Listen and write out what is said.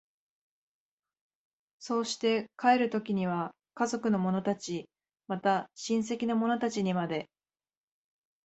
そうして帰る時には家族の者たち、また親戚の者たちにまで、